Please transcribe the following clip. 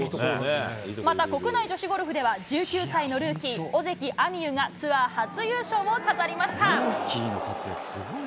また、国内女子ゴルフでは、１９歳のルーキー、尾関彩美悠がツアー初優勝を飾りました。